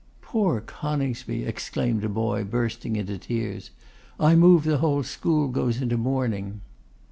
'Poor Coningsby!' exclaimed a boy, bursting into tears: 'I move the whole school goes into mourning.